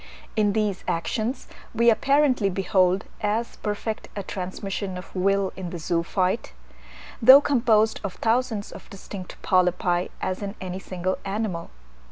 In these actions we apparently behold as perfect a transmission of will in the zoophyte, though composed of thousands of distinct polypi, as in any single animal.